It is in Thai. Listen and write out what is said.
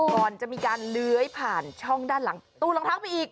ก่อนจะมีการเลื้อยผ่านช่องด้านหลังตู้รองเท้าไปอีก